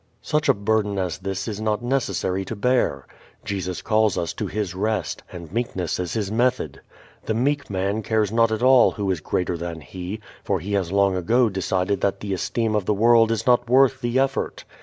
Such a burden as this is not necessary to bear. Jesus calls us to His rest, and meekness is His method. The meek man cares not at all who is greater than he, for he has long ago decided that the esteem of the world is not worth the effort.